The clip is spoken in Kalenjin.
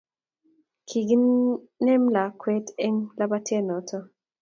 Kiginimem lakwanata eng labatet noto